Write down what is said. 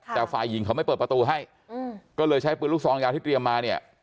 แต่ฝ่ายหญิงเขาไม่เปิดประตูให้ก็เลยใช้ปืนลูกซองยาวที่เตรียมมาเนี่ย